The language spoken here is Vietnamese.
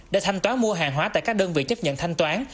để thanh toán mua hàng hóa tại các đơn vị chấp nhận thanh toán